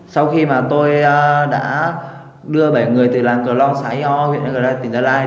sau khi mà tôi đã đưa bảy người từ làng cờ lo xã yêu huyện yagrai tỉnh gia lai